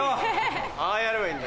ああやればいいんだ。